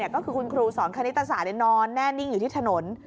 ก็คือคุณครูสอนคณิตศาสตร์นอนแน่นิ่งอยู่ที่ถนน